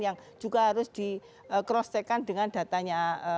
yang juga harus di cross check kan dengan datanya